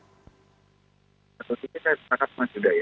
satu titik saya setakat mas yuda ya